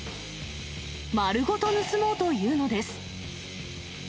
丸ごと盗もうというのです。